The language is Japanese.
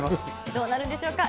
どうなるでしょうか。